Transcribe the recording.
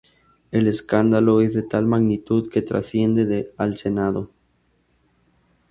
El escándalo es de tal magnitud que trasciende al Senado.